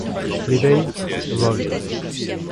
L'Éveil, vol.